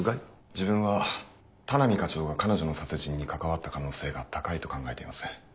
自分は田波課長が彼女の殺人に関わった可能性が高いと考えています。